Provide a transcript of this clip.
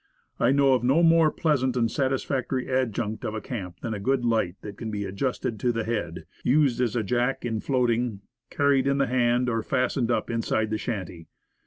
I know of no more pleasant and satisfactory adjunct of a camp than a good light that can be adjusted to the head, used as a jack in floating, carried in the hand, or fastened up inside the shanty.